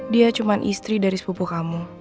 dia cuma istri dari sepupu kamu